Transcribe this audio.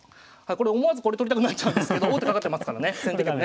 思わずこれ取りたくなっちゃうんですけど王手かかってますからね先手がね。